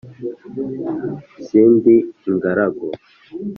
sindi ingaragu